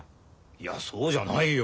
いやそうじゃないよ。